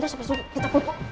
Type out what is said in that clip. terus abis itu kita pupuk